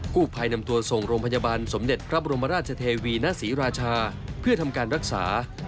ผู้ภัยนำตัวส่งโรงพยาบาลสมเด็จพระบรมราชเทวีณศรีราชาเพื่อทำการรักษา